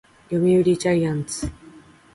読売ジャイアンツ